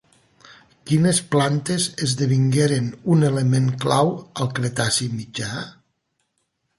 Quines plantes esdevingueren un element clau al Cretaci mitjà?